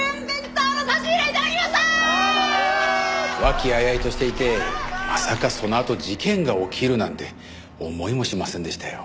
和気あいあいとしていてまさかそのあと事件が起きるなんて思いもしませんでしたよ。